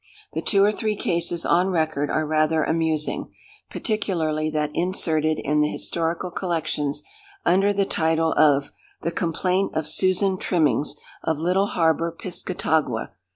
The two or three cases on record are rather amusing—particularly that inserted in the historical collections, under the title of "The Complaint of Susan Trimmings, of Little Harbour, Piscatagua."